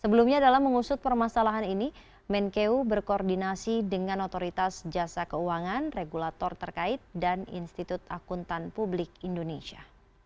sebelumnya dalam mengusut permasalahan ini menkeu berkoordinasi dengan otoritas jasa keuangan regulator terkait dan institut akuntan publik indonesia